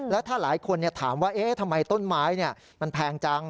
แล้วถ้าหลายคนถามว่าทำไมต้นไม้มันแพงจัง